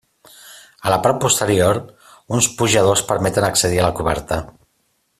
A la part posterior uns pujadors permeten accedir a la coberta.